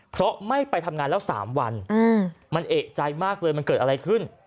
เพราะไม่ไปทำงานแล้ว๓วันมันเอกใจมากเลยมันเกิดอะไรขึ้น